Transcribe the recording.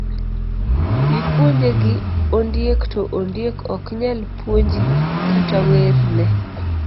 Ipuonje gi ondiek to ondiek ok nyal puonji kata werne.